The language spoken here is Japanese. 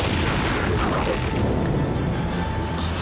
あっ。